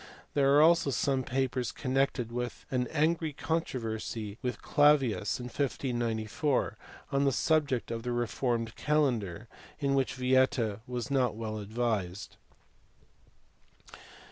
There are also some papers connected with an angry controversy with Clavius, in 1594, on the subject of the reformed calendar, in which Vieta was not well advised.